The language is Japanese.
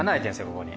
ここに。